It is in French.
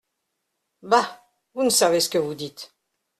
Bah ! vous ne savez ce que vous dites.